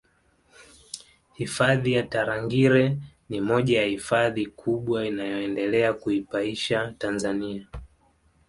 Hifadhi ya Tarangire ni moja ya Hifadhi kubwa inayoendelea kuipaisha Tanzania